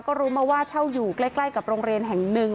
ก็รู้มาว่าเช่าอยู่ใกล้กับโรงเรียนแห่งหนึ่ง